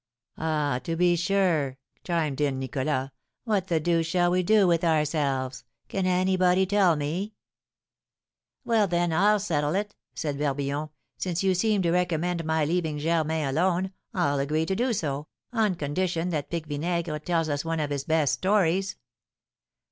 "Ah, to be sure!" chimed in Nicholas. "What the deuce shall we do with ourselves? Can anybody tell me?" "Well, then, I'll settle it!" said Barbillon. "Since you seem to recommend my leaving Germain alone, I'll agree to do so, on condition that Pique Vinaigre tells us one of his best stories."